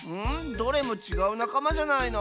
どれもちがうなかまじゃないの？